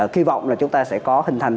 khi vọng là chúng ta sẽ có hình thành